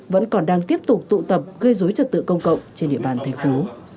vẫn còn đang tiếp tục tụ tập gây dối trật tự công cộng trên địa bàn thành phố